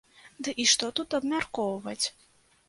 Ды і што тут абмяркоўваць?